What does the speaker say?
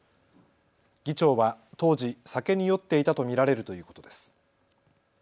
議長は当時、酒に酔っていたと見られるということです。